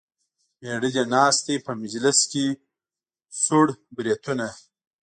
مېړه دې ناست دی په مجلس کې څور بریتونه.